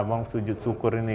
bang edi sujud syukur ini